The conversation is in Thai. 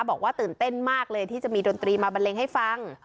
บอกว่าตื่นเต้นมากเลยที่จะมีดนตรีมาบันเลงให้ฟัง